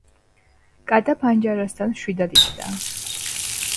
კატა ფანჯარასთან მშვიდად იჯდა.